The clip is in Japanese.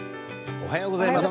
おはようございます。